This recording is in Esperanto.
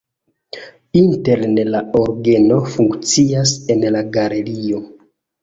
Interne la orgeno funkcias en la galerio.